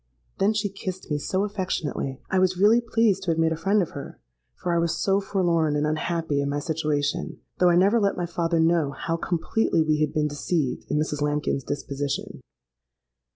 '—Then she kissed me so affectionately, I was really pleased to have made a friend of her; for I was so forlorn and unhappy in my situation—though I never let my father know how completely we had been deceived in Mrs. Lambkin's disposition.